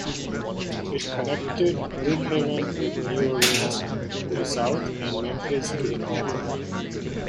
It connected Brookhaven with New Orleans to the south and Memphis to the north.